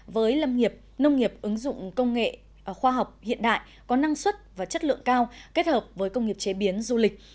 với lâm nghiệp nông nghiệp ứng dụng công nghệ khoa học hiện đại có năng suất và chất lượng cao kết hợp với công nghiệp chế biến du lịch